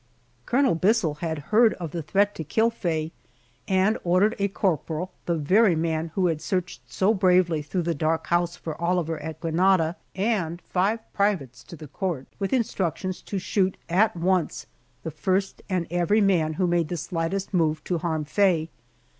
Colonel Bissell had heard of the threat to kill Faye, and ordered a corporal, the very man who searched so bravely through the dark house for Oliver at Granada, and five privates to the court, with instructions to shoot at once the first and every man who made the slightest move to harm Faye!